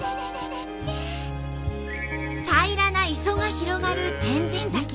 平らな磯が広がる天神崎。